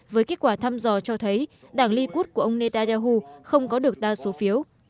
với kết quả thăm dò cho thấy đảng ly cút của ông netanyahu không có được đa số phiếu